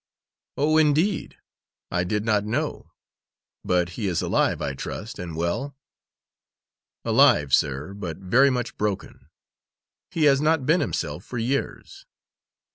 "Oh, indeed? I did not know; but he is alive, I trust, and well?" "Alive, sir, but very much broken. He has not been himself for years."